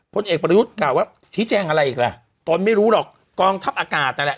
พลเอกประยุทธ์กล่าวว่าชี้แจงอะไรอีกล่ะตนไม่รู้หรอกกองทัพอากาศนั่นแหละ